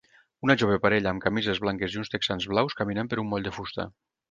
Una jove parella amb camises blanques i uns texans blaus caminant per un moll de fusta.